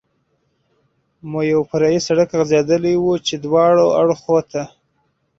مو یو فرعي سړک غځېدلی و، چې دواړو اړخو ته.